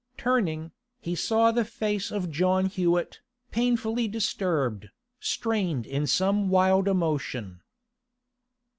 Turning, he saw the face of John Hewett, painfully disturbed, strained in some wild emotion.